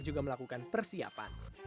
juga melakukan persiapan